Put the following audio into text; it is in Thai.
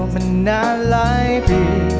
ไปชมกันได้เลย